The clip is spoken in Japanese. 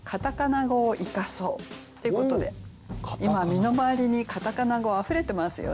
今回は今身の回りにカタカナ語あふれてますよね。